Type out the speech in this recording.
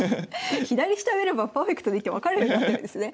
左下を見ればパーフェクトな一手分かるようになってるんですね。